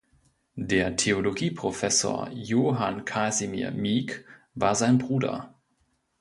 Der Theologieprofessor Johann Kasimir Mieg war sein Bruder.